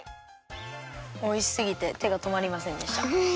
おいしすぎててがとまりませんでした。